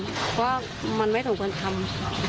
เพราะว่ามันไม่ถูกเพลินทำ